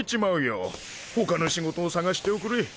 他の仕事を探しておくれ。